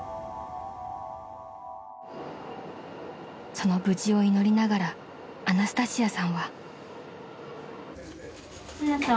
［その無事を祈りながらアナスタシアさんは］